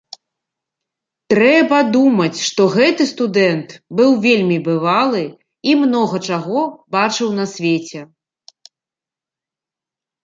Трэба думаць, што гэты студэнт быў вельмі бывалы і многа чаго бачыў на свеце.